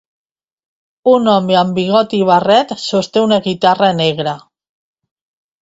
Un home amb bigoti i barret sosté una guitarra negra.